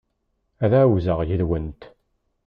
Ad ɛawzeɣ yid-went.